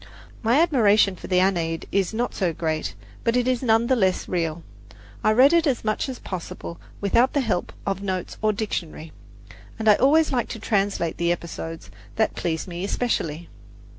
My admiration for the Aeneid is not so great, but it is none the less real. I read it as much as possible without the help of notes or dictionary, and I always like to translate the episodes that please me especially.